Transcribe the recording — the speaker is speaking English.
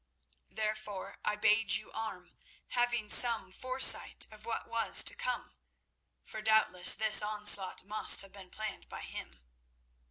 Therefore I bade you arm, having some foresight of what was to come, for doubtless this onslaught must have been planned by him."